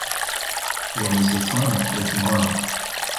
What is the climate for tomorrow?